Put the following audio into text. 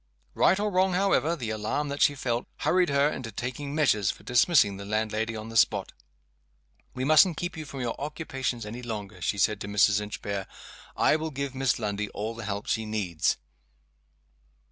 Right or wrong, however, the alarm that she felt hurried her into taking measures for dismissing the landlady on the spot. "We mustn't keep you from your occupations any longer," she said to Mrs. Inchbare. "I will give Miss Lundie all the help she needs."